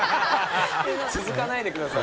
続かないでください。